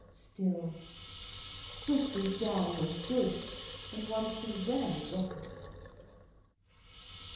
Still, gooseberry jam was good, and one so rarely got it.